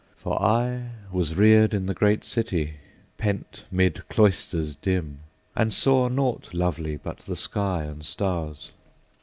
For I was reared In the great city, pent 'mid cloisters dim, And saw nought lovely but the sky and stars.